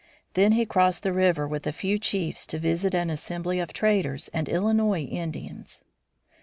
Then he crossed the river with a few chiefs to visit an assembly of traders and Illinois Indians.